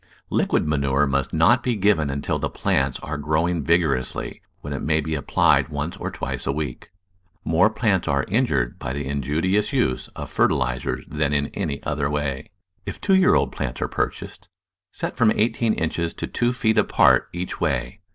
Liquid manure must not be given until the plants are grow ing vigorously, when it may be applied once or twice a week. More plants are injured by the injudicious use of fertilisers than in any other way. If two year old plants are purchased, set from eighteen inches to two feet apart each way.